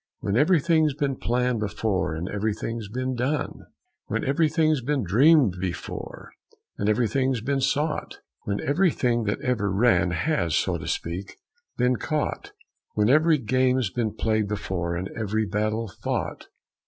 When everything's been planned before and everything's been done? "When everything's been dreamed before and everything's been sought? When everything that ever ran has, so to speak, been caught? When every game's been played before and every battle fought?"